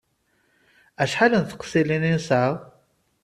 Acḥal n tqeslin i nesɛa?